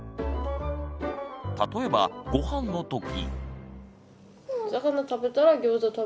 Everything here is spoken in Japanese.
例えばごはんのとき。